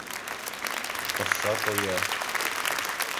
Тырша тоя.